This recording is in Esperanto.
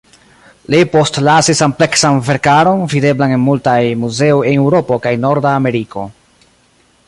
Li postlasis ampleksan verkaron, videblan en multaj muzeoj en Eŭropo kaj Norda Ameriko.